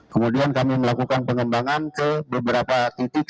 kemudian kami melakukan pengembangan ke beberapa titik